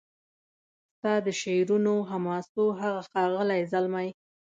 ستا د شعرونو حماسو هغه ښاغلی زلمی